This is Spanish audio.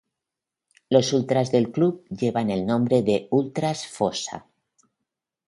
Los ultras del club llevan el nombre de "Ultras Fossa".